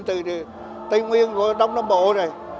từ tây nguyên qua đông nam bộ nè